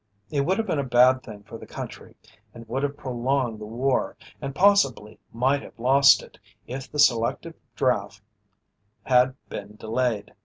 It would have been a bad thing for the country and would have prolonged the war, and possibly might have lost it, if the selective draft had been delayed.